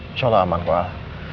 insya allah aman pak